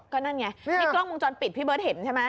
ก็นั่นไงนี่กล้องวงจรปิดพี่เบิร์ตเห็นใช่ไหม